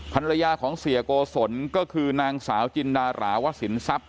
ภรรยาของเสียโกศลก็คือนางสาวจินดาราวะสินทรัพย